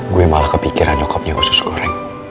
gue malah kepikiran nyokapnya usus goreng